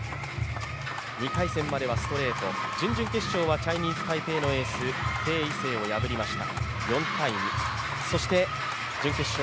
２回線まではストレート、準々決勝はチャイニーズタイペイのエースを破りました。